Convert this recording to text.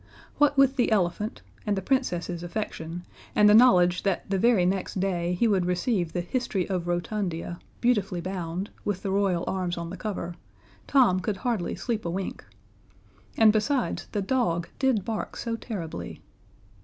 What with the elephant, and the Princess's affection, and the knowledge that the very next day he would receive the History of Rotundia, beautifully bound, with the Royal arms on the cover, Tom could hardly sleep a wink. And, besides, the dog did bark so terribly.